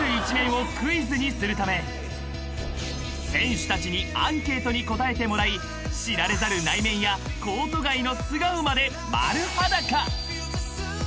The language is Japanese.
［選手たちにアンケートに答えてもらい知られざる内面やコート外の素顔まで丸はだか！］